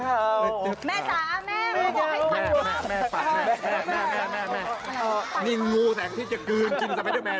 แม่จะเป็นงูเหลืองูหลามไม่ได้